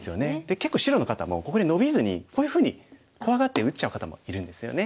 結構白の方もここでノビずにこういうふうに怖がって打っちゃう方もいるんですよね。